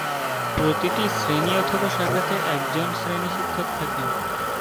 প্রতিটি শ্রেণী/শাখাতে একজন শ্রেণী শিক্ষক থাকেন।